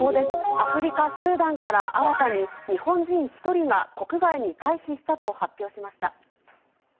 アフリカ・スーダンから新たに日本人１人が国外に退避したと発表しました。